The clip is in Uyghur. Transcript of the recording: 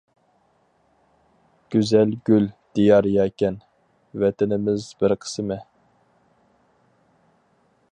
گۈزەل گۈل دىيار يەكەن، ۋەتىنىمىز بىر قىسمى.